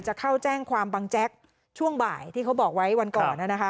จะเข้าแจ้งความบังแจ๊กช่วงบ่ายที่เขาบอกไว้วันก่อนนะคะ